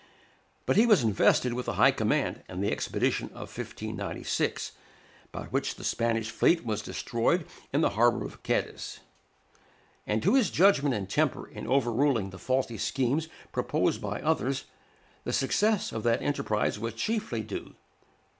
But he was invested with a high command in the expedition of 1596, by which the Spanish fleet was destroyed in the harbor of Cadiz; and to his judgment and temper in overruling the faulty schemes proposed by others, the success of that enterprise was chiefly due.